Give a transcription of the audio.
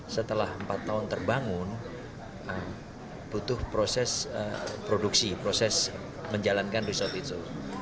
setelah empat tahun terbangun butuh proses produksi proses menjalankan resort itu